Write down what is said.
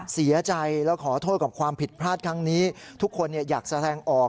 เสียใจและขอโทษกับความผิดพลาดครั้งนี้ทุกคนอยากแสดงออก